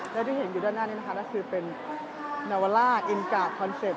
และที่เห็นอยู่ด้านหน้านี้นะคะก็คือเป็นนาวาล่าอินกาดคอนเซ็ปต